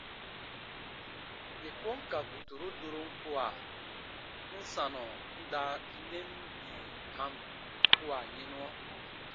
Yè kon ka guturu durom kua, n sanɔ n da n nɛn bii kam kua yɛnuɔ.